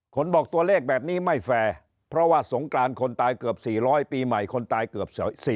คนบอกตัวเลขแบบนี้ไม่แฟร์เพราะว่าสงกรานคนตายเกือบ๔๐๐ปีใหม่คนตายเกือบ